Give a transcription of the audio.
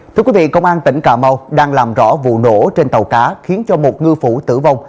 thưa quý vị công an tỉnh cà mau đang làm rõ vụ nổ trên tàu cá khiến một ngư phủ tử vong